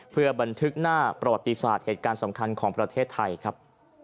เพื่อบันทึกหน้าประวัติศาสตร์เหตุการณ์สำคัญของประเทศไทยครับ